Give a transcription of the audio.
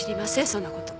そんな事。